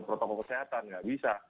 protokol kesehatan tidak bisa